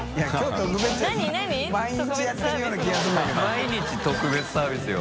毎日特別サービスよ。